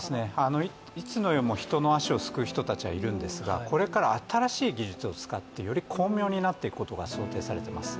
いつの世も人の足をすくう人たちはいるんですが、これから新しい技術を使ってより巧妙になっていくことが想定されています